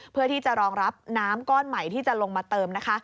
เพื่อที่จะรองรับน้ำก้อนใหม่ที่จะลงมาเติมนะคะ